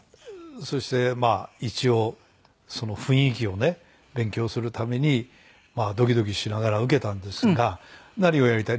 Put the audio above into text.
そしてまあ一応その雰囲気をね勉強するためにドキドキしながら受けたんですが「何をやりたい？」。